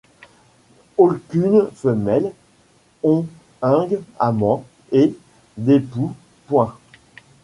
Aulcunes femelles ont ung amant, et d’espoux, point.